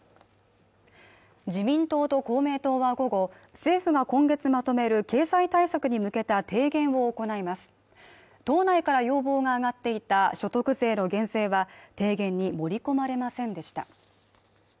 自民党と公明党は午後政府が今月まとめる経済対策に向けた提言を行います党内から要望が上がっていた所得税の減税は提言に盛り込まれませんでした